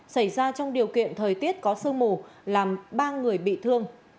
xảy ra trong điều kiện thời tiết có sương mù làm ba người bị thương